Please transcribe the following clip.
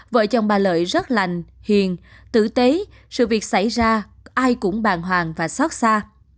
vợ chồng bà lợi rất lành hiền tử tế sự việc xảy ra ai cũng bàng hoàng và xót xa